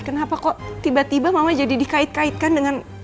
kenapa kok tiba tiba mama jadi dikait kaitkan dengan